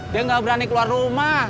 dia nggak berani keluar rumah